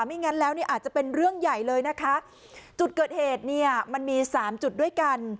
งั้นแล้วเนี่ยอาจจะเป็นเรื่องใหญ่เลยนะคะจุดเกิดเหตุเนี่ยมันมีสามจุดด้วยกัน